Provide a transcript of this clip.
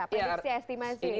apa itu sih estimasi